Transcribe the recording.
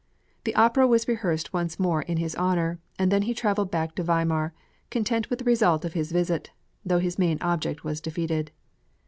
" The opera was rehearsed once more in his honour, and then he travelled back to Weimar, content with the result of his visit, though his main object was defeated.